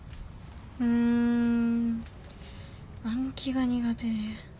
ん暗記が苦手で。